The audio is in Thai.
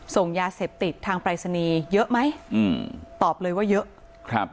ส่งยาเสพติดทางปรายศนีย์เยอะไหมอืมตอบเลยว่าเยอะครับ